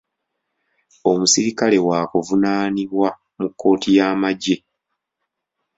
Omusirikale waakuvunaanibwa mu kkooti y'amagye.